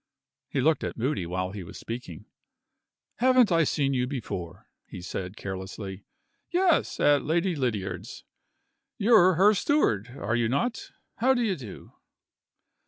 He looked at Moody while he was speaking. "Haven't I seen you before?" he said, carelessly. "Yes; at Lady Lydiard's. You're her steward, are you not? How d'ye do?"